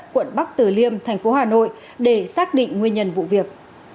quận bắc tử liêm thành phố hà nội để xác định nguyên nhân vụ việc